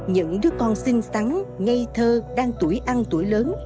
những đứa con xinh xắn ngây thơ đang tuổi ăn tuổi lớn